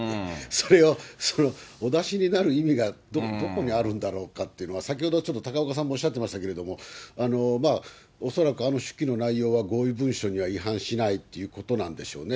それをその、お出しになる意味がどこにあるんだろうかっていうのは、先ほどちょっと高岡さんもおっしゃってましたけれども、恐らくあの手記の内容は合意文書には違反しないっていうことなんでしょうね。